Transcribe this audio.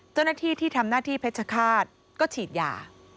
เจ้าหน้าที่ที่ทำหน้าที่เพชรฆาตก็ฉีดยา